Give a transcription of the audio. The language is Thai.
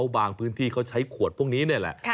บางพื้นที่เขาใช้ขวดพวกนี้นี่แหละ